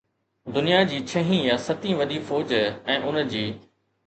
دنيا جي ڇهين يا ستين وڏي فوج ۽ ان جي